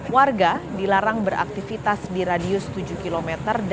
warga dilarang beraktivitas di radius tujuh km